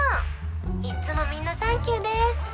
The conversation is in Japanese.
いつもみんなサンキューです！